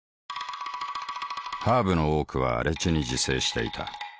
ハーブの多くは荒地に自生していた。